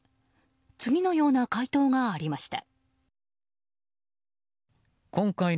次のような回答がありました。